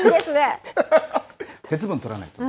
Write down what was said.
鉄分とらないと。